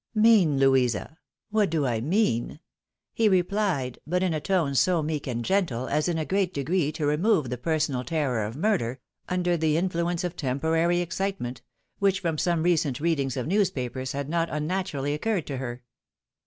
" Mean, Louisa, — ^what do I mean ?" he replied, but in a tone so meek and gen1;le, as in a great degree to remove the per sonal terror of murder, ' under the influence of temporary excitement,' which from some recent readings of newspapers had not unnaturally occurred to her.